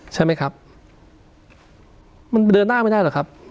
ใช่ไหมครับมันเดินหน้าไม่ได้หรอกครับ